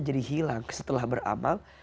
jadi hilang setelah beramal